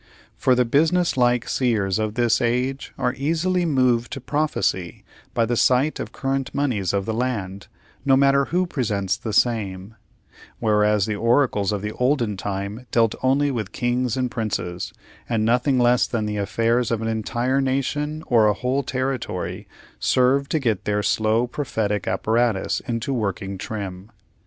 For the business like seers of this age are easily moved to prophesy by the sight of current moneys of the land, no matter who presents the same; whereas the oracles of the olden time dealt only with kings and princes, and nothing less than the affairs of an entire nation, or a whole territory, served to get their slow prophetic apparatus into working trim.